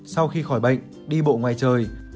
sau khi khỏi bệnh đi bộ ngoài trời